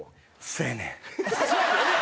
「せやねん」？